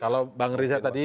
kalau bang riza tadi